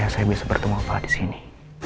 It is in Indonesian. saya bisa bertemu bapak di sini